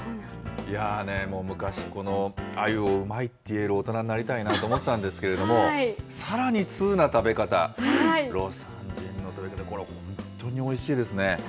もう、昔、このあゆをうまいって言える大人になりたいなと思ってたんですけれども、さらに通な食べ方、魯山人の食べ方、これ、本当においしいですね。